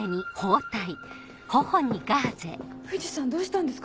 藤さんどうしたんですか？